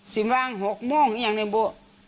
สิบหวานหกโมงอย่างนึงบุก